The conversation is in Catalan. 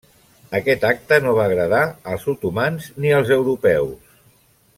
Aquest acte no va agradar als otomans ni als europeus.